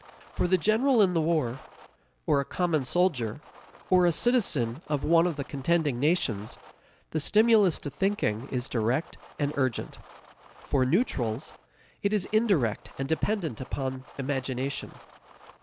For the general in the war, or a common soldier, or a citizen of one of the contending nations, the stimulus to thinking is direct and urgent. For neutrals, it is indirect and dependent upon imagination.